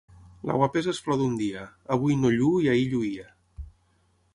La guapesa és flor d'un dia: avui no lluu i ahir lluïa.